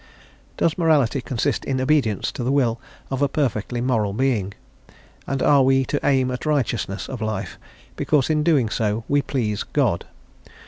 Does morality consist in obedience to the will of a perfectly moral Being, and are we to aim at righteousness of life because in so doing we please God?